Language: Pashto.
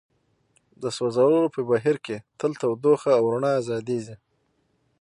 د سوځولو په بهیر کې تل تودوخه او رڼا ازادیږي.